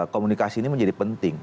komunikasi ini menjadi penting